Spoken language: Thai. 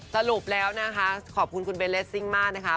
สรุปแล้วนะคะขอบคุณคุณเบนเลสซิ่งมากนะคะ